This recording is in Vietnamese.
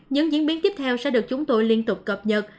những diễn biến tiếp theo sẽ được chúng tôi liên tục cập nhật